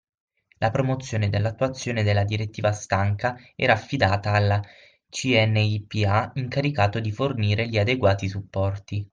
La promozione dell'attuazione della "Direttiva Stanca" era affidata al "CNIPA", incaricato di fornire gli adeguati supporti.